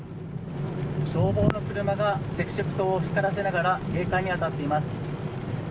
消防の車が赤色灯を光らせながら、警戒に当たっています。